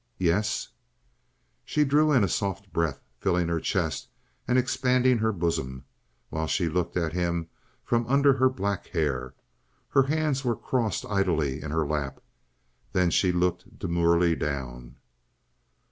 "Yes." She drew in a soft breath, filling her chest and expanding her bosom, while she looked at him from under her black hair. Her hands were crossed idly in her lap. Then she looked demurely down.